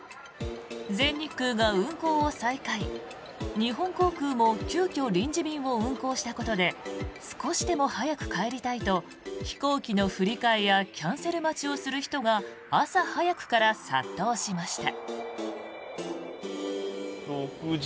全日空が運航を再開日本航空も急きょ臨時便を運航したことで少しでも早く帰りたいと飛行機の振り替えやキャンセル待ちをする人が朝早くから殺到しました。